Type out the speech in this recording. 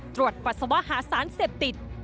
ตรวจปัสสาวะหาสารเสพติด